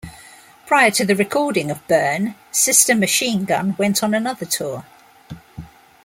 Prior to the recording of "Burn", Sister Machine Gun went on another tour.